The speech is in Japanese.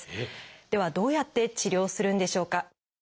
ではどうやって治療するんでしょうか。